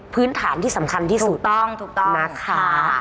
พื้นฐานที่สำคัญที่สุดนะคะ